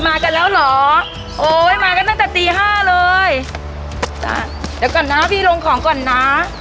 มากันแล้วเหรอโอ้ยมากันตั้งแต่ตีห้าเลยจ้ะเดี๋ยวก่อนนะพี่ลงของก่อนนะ